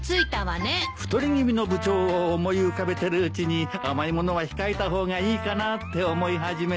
太り気味の部長を思い浮かべてるうちに甘い物は控えた方がいいかなって思い始めて。